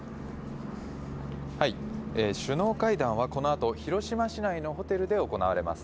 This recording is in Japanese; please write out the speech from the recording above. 首脳会談は、このあと広島市内のホテルで行われます。